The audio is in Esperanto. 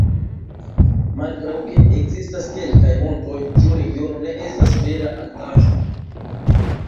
Malgraŭ ke ekzistas kelkaj montoj tiu regiono ne estas vera altaĵo.